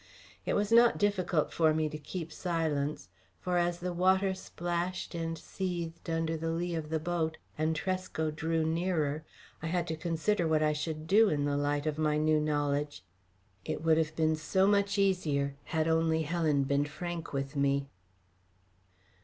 It was not difficult for me to keep silence. For as the water splashed and seethed under the lee of the boat, and Tresco drew nearer, I had to consider what I should do in the light of my new knowledge. It would have been so much easier had only Helen been frank with me.